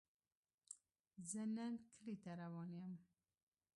زۀ نن کلي ته روان يم